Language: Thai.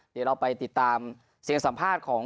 เดี๋ยวเราไปติดตามเสียงสัมภาษณ์ของ